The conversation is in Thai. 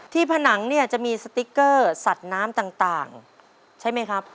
ผนังเนี่ยจะมีสติ๊กเกอร์สัตว์น้ำต่างใช่ไหมครับ